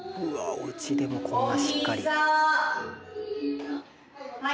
おうちでもこんなしっかり。